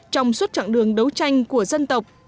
trong suốt chặng đường đấu tranh của dân tộc